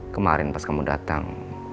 kemarin pas kamu datang